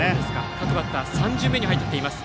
各バッター３巡目に入ってきています。